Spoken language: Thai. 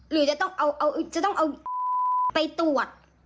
หรือจะต้องเอาไปตรวจ